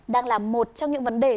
đang là một trong những vấn đề